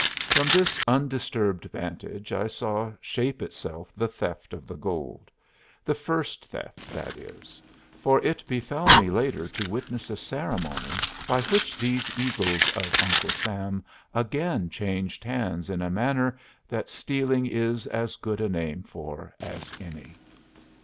From this undisturbed vantage I saw shape itself the theft of the gold the first theft, that is; for it befell me later to witness a ceremony by which these eagles of Uncle Sam again changed hands in a manner that stealing is as good a name for as any.